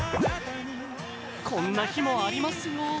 こんな日もありますよ。